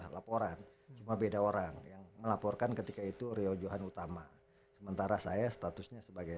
laporan cuma beda orang yang melaporkan ketika itu rio johan utama sementara saya statusnya sebagai